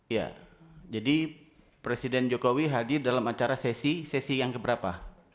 ya jadi presiden jokowi hadir dalam acara sesi sesi yang keberapa